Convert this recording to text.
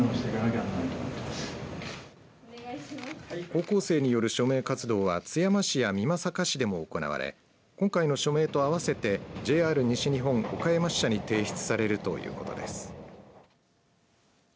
高校生による署名活動は津山市や美作市でも行われ今回の署名と合わせてＪＲ西日本岡山支社に提出されるということです。